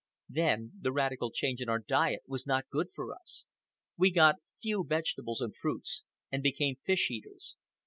Then the radical change in our diet was not good for us. We got few vegetables and fruits, and became fish eaters.